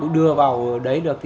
đưa vào đấy được